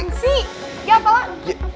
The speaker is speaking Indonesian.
apaan sih gapalan